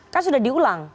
kan sudah diulang